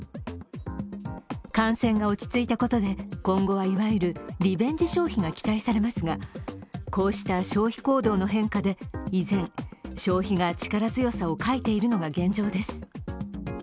感染が落ち着いたことで、今後はいわゆるリベンジ消費が期待されますが、こうした消費行動の変化で依然、消費が力強さを欠いているのが現状です。